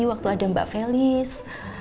waktu ada mbak felis